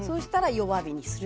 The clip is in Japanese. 弱火にする。